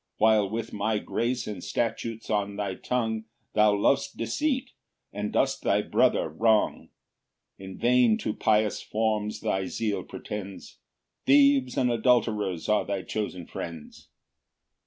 While with my grace and statutes on thy tongue, Thou lov'st deceit, and dost thy brother wrong; In vain to pious forms thy zeal pretends, Thieves and adulterers are thy chosen friends.